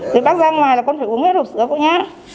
đi ra ngoài là con phải uống hết hộp sữa của nhé